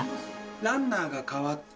ランナーが代わって。